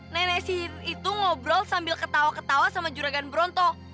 nenek sih itu ngobrol sambil ketawa ketawa sama juragan bronto